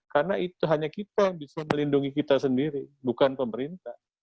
karena itu hanya kita yang bisa melindungi kita sendiri bukan pemerintah